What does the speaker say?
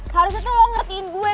harusnya tuh lo ngertiin gue